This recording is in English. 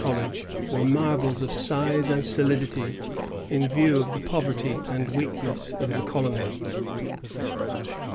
37 College were marvels of size and solidity in view of the poverty and weakness of the colony.